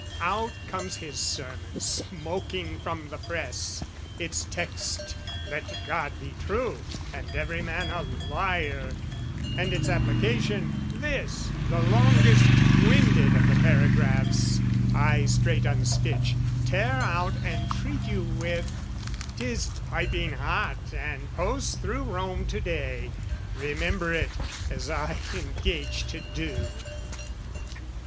"Out comes his sermon smoking from the press: "Its text 'Let God be true, and every man "'A liar' and its application, this, "The longest winded of the paragraphs, "I straight unstitch, tear out and treat you with: "'Tis piping hot and posts through Rome to day. "Remember it, as I engage to do!